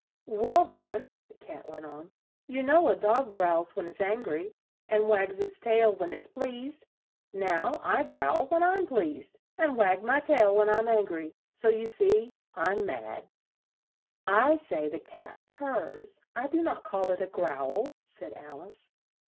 "Well, then," the Cat went on, "you know a dog growls when it's angry, and wags its tail when it's pleased. Now I growl when I'm pleased, and wag my tail when I'm an gry. So you see, I'm mad." "I say the cat purrs; I do not call it a growl," said Al ice.